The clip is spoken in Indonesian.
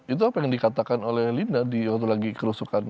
itu apa yang dikatakan oleh lina di waktu lagi kerusukan